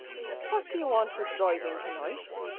"What do you want with driving to night?"